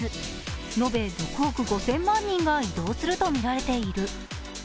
延べ６億５０００万人が移動するとみられている。